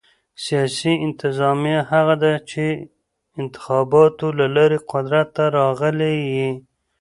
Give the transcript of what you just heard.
سیاسي انتظامیه هغه ده، چي انتخاباتو له لاري قدرت ته راغلي يي.